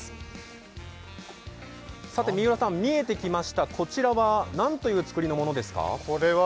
見えてきました、こちらは何というつくりものものですか？